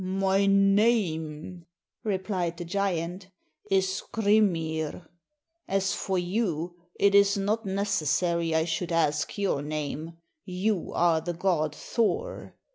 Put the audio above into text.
"My name," replied the giant, "is Skrymir. As for you it is not necessary I should ask your name. You are the god Thor.